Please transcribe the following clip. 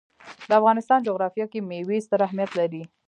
د افغانستان جغرافیه کې مېوې ستر اهمیت لري.